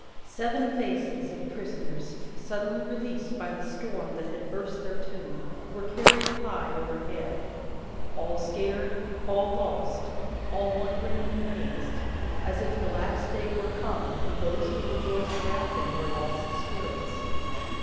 Seven faces of prisoners, suddenly released by the storm that had burst their tomb, were carried high overhead: all scared, all lost, all wondering and amazed, as if the Last Day were come, and those who rejoiced around them were lost spirits.